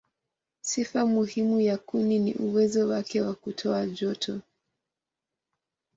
Sifa muhimu ya kuni ni uwezo wake wa kutoa joto.